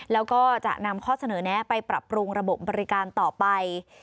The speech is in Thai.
แล้วก็จะนำข้อเสนอแนะไปปรับปรุงระบบบบริการต่อไป